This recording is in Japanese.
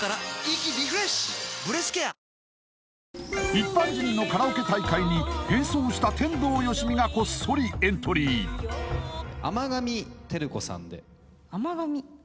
一般人のカラオケ大会に変装した天童よしみがこっそりエントリー天神